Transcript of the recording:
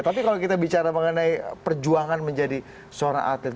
tapi kalau kita bicara mengenai perjuangan menjadi seorang atlet